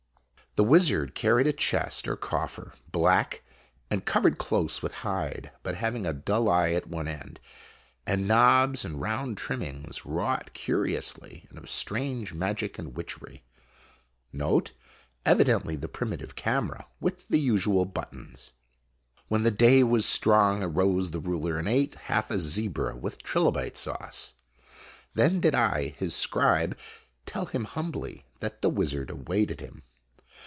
The wizard carried a chest or coffer, black, and covered close with hide, but having a dull eye at one end, and knobs and round trimmings, wrought curiously and of strange magic and witchery. [NOTE : Evidently the primitive camera, with the usual buttons.] When the day was strong, arose the ruler, and ate half a zebra with trilobite sauce. Then did I, his scribe, tell him humbly that the wizard awaited him.